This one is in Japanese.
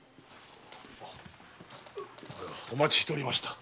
お待ちしておりました。